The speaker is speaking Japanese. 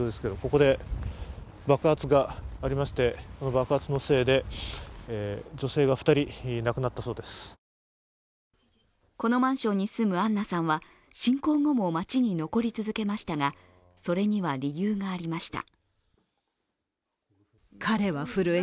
このマンションに住むアンナさんは侵攻後も街に残り続けましたがそれには理由がありました。